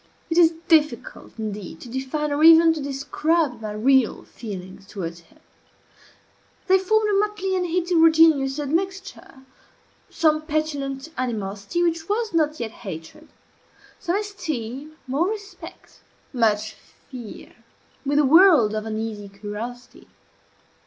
It is difficult, indeed, to define, or even to describe, my real feelings towards him. They formed a motley and heterogeneous admixture: some petulant animosity, which was not yet hatred, some esteem, more respect, much fear, with a world of uneasy curiosity.